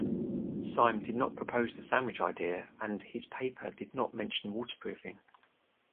Syme did not propose the sandwich idea and his paper did not mention waterproofing.